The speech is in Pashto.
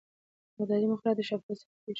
اداري مقررات د شفافیت سبب کېږي.